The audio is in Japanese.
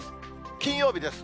金曜日です。